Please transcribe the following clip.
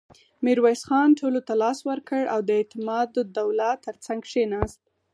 ميرويس خان ټولو ته لاس ورکړ او د اعتماد الدوله تر څنګ کېناست.